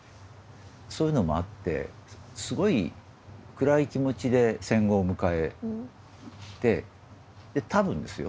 そういうのもあってすごい暗い気持ちで戦後を迎えてで多分ですよ。